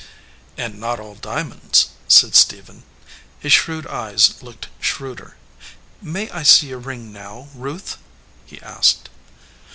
"And not all diamonds," said Stephen. His shrewd eyes looked shrewder. "May I see your ring now, Ruth?" he asked.